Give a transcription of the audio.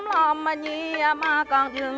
thưa quý vị và các bạn